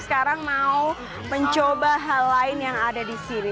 sekarang mau mencoba hal lain yang ada di sini